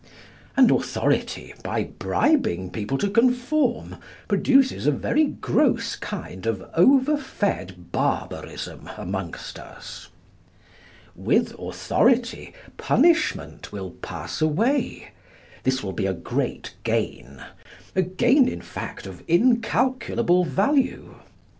And authority, by bribing people to conform, produces a very gross kind of over fed barbarism amongst us. With authority, punishment will pass away. This will be a great gain—a gain, in fact, of incalculable value.